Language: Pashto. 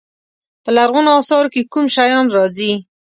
په لرغونو اثارو کې کوم شیان راځي.